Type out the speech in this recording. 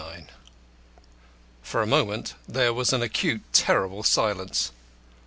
IX For a moment there was an acute, terrible silence.